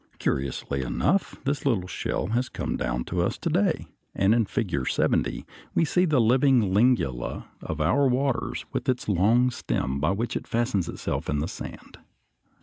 Curiously enough this little shell has come down to us to day, and in Figure 70 we see the living Lingula of our waters with its long stem by which it fastens itself in the sand.